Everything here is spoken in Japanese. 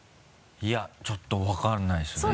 いやちょっと分からないですね。